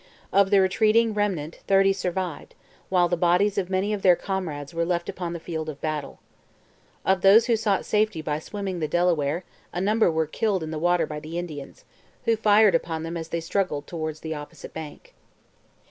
Of the retreating remnant thirty survived, while the bodies of many of their comrades were left upon the field of battle. Of those who sought safety by swimming the Delaware, a number were killed in the water by the Indians, who fired upon them as they struggled towards the opposite bank.